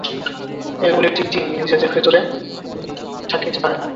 এগুলির দীপ্তি নিজেদের ভিতরে থাকিতে পারে না।